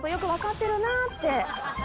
って。